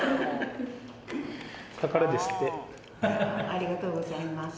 ありがとうございます。